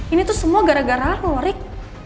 ini tuh semua gara gara lo rik